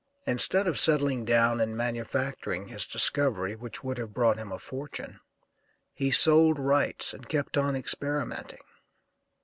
Instead of settling down and manufacturing his discovery, which would have brought him a fortune, he sold rights and kept on experimenting.